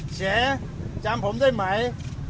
ฉายจำผมได้ไหม